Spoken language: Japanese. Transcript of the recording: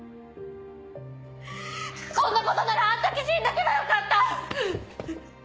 こんなことならあの時死んどけばよかった！